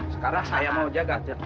sekarang saya mau jaga